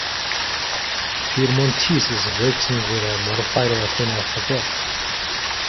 Piedmontese is written with a modified Latin alphabet.